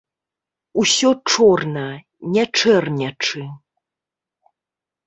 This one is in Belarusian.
Усё чорна, не чэрнячы.